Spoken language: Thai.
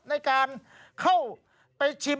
ในการเข้าไปชิม